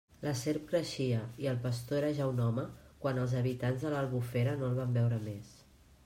La serp creixia i el pastor era ja un home, quan els habitants de l'Albufera no el van veure més.